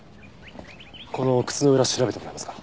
この靴の裏調べてもらえますか？